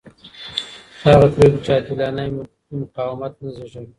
هغه پرېکړې چې عادلانه وي مقاومت نه زېږوي